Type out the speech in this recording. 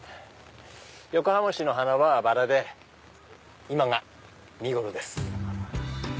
横浜市の花はバラで今が見頃です。